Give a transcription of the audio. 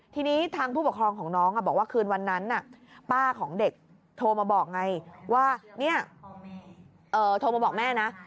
ทีนี้ทางผู้ปกครองของน้องบอกว่าคืนวันนั้นป้าของเด็กโทรมาบอกไงว่าโทรมาบอกแม่นะ